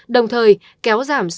đồng thời kéo giảm số dịch